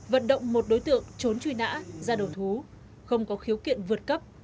vận động một đối tượng trốn truy nã ra đầu thú không có khiếu kiện vượt cấp